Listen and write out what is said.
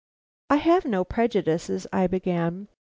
"I have no prejudices " I began.